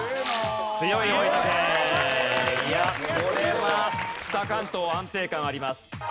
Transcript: これは北関東安定感あります。